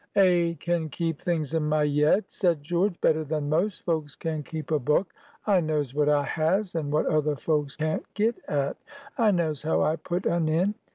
"A can keep things in my yead," said George, "better than most folks can keep a book; I knows what I has, and what other folks can't get at. I knows how I put un in.